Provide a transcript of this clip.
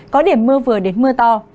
có điểm mưa vừa đến mưa to